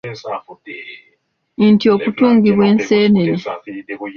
Enti okutungibwa enseenene .